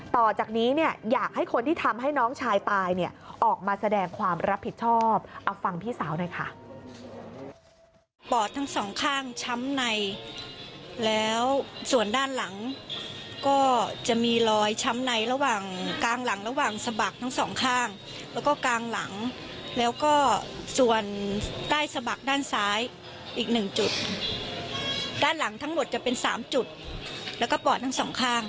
ต่อจากนี้เนี่ยอยากให้คนที่ทำให้น้องชายตายเนี่ยออกมาแสดงความรับผิดชอบเอาฟังพี่สาวหน่อยค่ะ